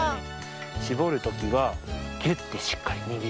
しぼるときはぎゅってしっかりにぎります。